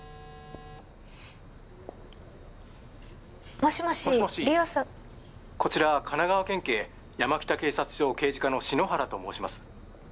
もしもし莉桜さん☎もしもし☎こちら神奈川県警山北警察署刑事課の篠原と申します